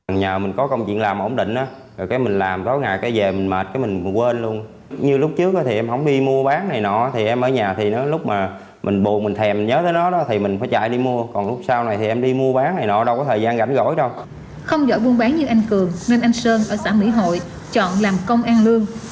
không nhờ buôn bán như anh cường nên anh sơn ở xã mỹ hội chọn làm công an lương